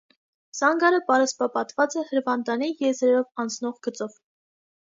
Սանգարը պարսպապատված է հրվանդանի եզրերով անցնող գծով։